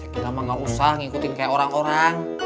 kita mah gak usah ngikutin kayak orang orang